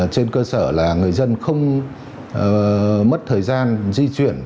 trên cơ sở là người dân không mất thời gian di chuyển